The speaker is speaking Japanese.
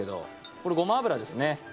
これごま油ですね。